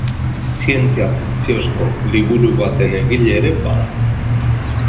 Zientzia fikziozko liburu baten egile ere bada.